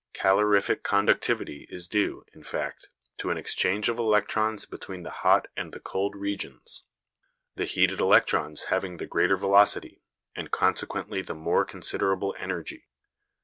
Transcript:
Calorific conductivity is due, in fact, to an exchange of electrons between the hot and the cold regions, the heated electrons having the greater velocity, and consequently the more considerable energy.